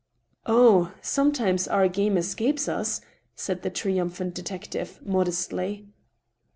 " Oh ! sometimes our game escapes us," said the triumphant de tective, modestly.